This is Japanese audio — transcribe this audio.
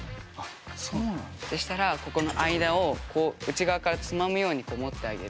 そしたらここの間をこう内側からつまむように持ってあげる。